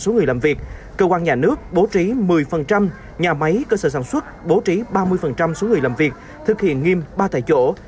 tối đa một trăm linh số người làm việc cơ quan nhà nước bố trí một mươi nhà máy cơ sở sản xuất bố trí ba mươi số người làm việc thực hiện nghiêm ba tại chỗ